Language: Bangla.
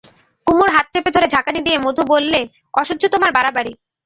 কুমুর হাত চেপে ধরে ঝাঁকানি দিয়ে মধু বললে, অসহ্য তোমার বাড়াবাড়ি।